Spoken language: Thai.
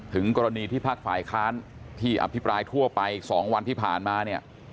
ถึงกรณีที่ภาคฝ่ายค้านที่อภิปรายทั่วไป๒วันที่ผ่านมาเนี่ย